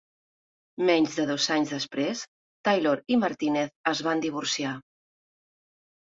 Menys de dos anys després, Taylor i Martinez es van divorciar.